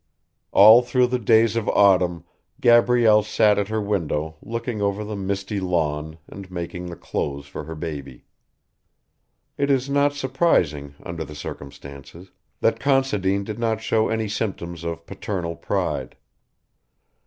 All through the days of autumn Gabrielle sat at her window looking over the misty lawn and making the clothes for her baby. It is not surprising, under the circumstances, that Considine did not show any symptoms of paternal pride.